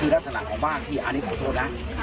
รัสสนับของบ้านที่อันนี้ผมโทษนะ